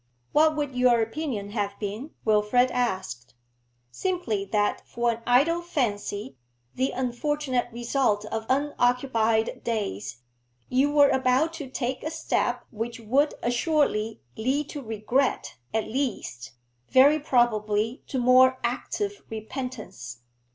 'What would your opinion have been?' Wilfrid asked. 'Simply that for an idle fancy, the unfortunate result of unoccupied days, you were about to take a step which would assuredly lead to regret at least, very probably to more active repentance.